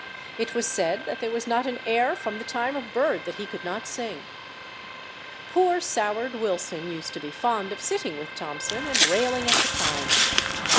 It was said that there was not an air from the time of Bird that he could not sing. Poor soured Wilson used to be fond of sitting with Thomson and railing at the times.